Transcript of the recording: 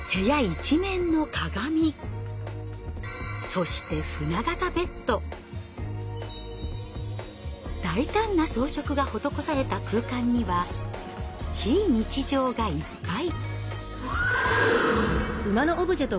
そして大胆な装飾が施された空間には非日常がいっぱい。